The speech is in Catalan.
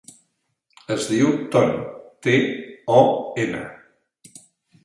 Es diu Ton: te, o, ena.